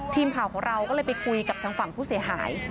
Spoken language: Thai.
ทีมข่าวของเราก็เลยไปคุยกับทางฝั่งผู้เสียหาย